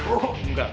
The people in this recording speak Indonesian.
oh engga pak